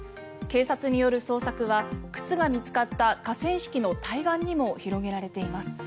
警察による捜索は靴が見つかった河川敷の対岸にも広げられています。